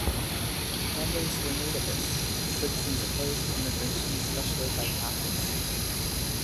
Members were Nativists, citizens opposed to immigration, especially by Catholics.